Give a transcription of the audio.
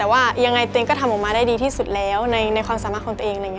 ว่ายังไงเต้นก็ทำออกมาได้ดีที่สุดแล้วในความสามารถของตัวเอง